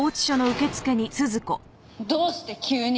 どうして急に？